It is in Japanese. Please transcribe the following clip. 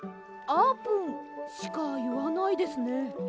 「あーぷん」しかいわないですね。